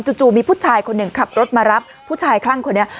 จู่มีผู้ชายคนหนึ่งขับรถมารับผู้ชายคลั่งคนนี้